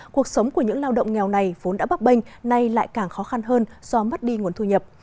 cuộc sống của những lao động nghèo này vốn đã bắp bênh nay lại càng khó khăn hơn do mất đi nguồn thu nhập